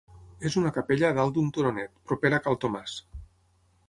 És una capella a dalt d'un turonet, propera a Cal Tomàs.